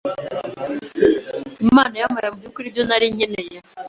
Imana yampaye mu by’ukuri ibyo nari nkeneye